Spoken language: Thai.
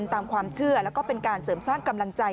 ตามความเชื่อแล้วก็เป็นการเสริมสร้างกำลังใจ